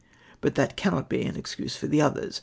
But that can not be an excuse for the others.